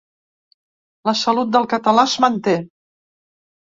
La salut del català es manté